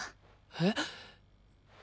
えっ？